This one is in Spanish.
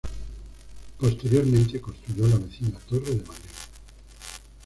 Posteriormente construyó la vecina Torre de Madrid.